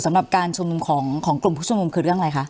สำหรับการชุมนุมของกลุ่มผู้ชุมนุมคือเรื่องอะไรคะ